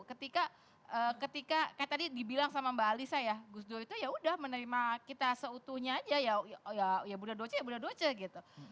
ketika kayak tadi dibilang sama mbak alisa ya gus dur itu yaudah menerima kita seutuhnya aja ya bunda doce ya bunda doce gitu